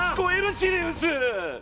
シリウス。